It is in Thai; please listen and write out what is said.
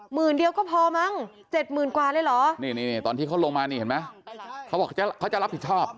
เดียวก็พอมั้งเจ็ดหมื่นกว่าเลยเหรอนี่ตอนที่เขาลงมานี่เห็นไหมเขาบอกเขาจะรับผิดชอบ